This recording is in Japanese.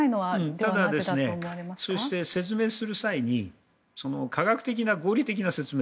ただ、説明する際に科学的な、合理的な説明